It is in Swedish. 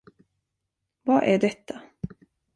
Vad är detta?